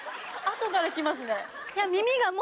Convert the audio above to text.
後から来ますね。